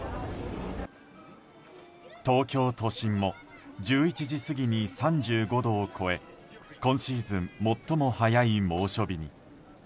東京都心も１１時過ぎに３５度を超え今シーズン最も早い猛暑日に。